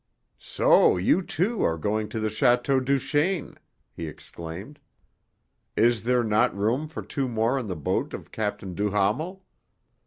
"So you, too, are going to the Château Duchaine!" he exclaimed. "Is there not room for two more on the boat of Captain Duhamel?"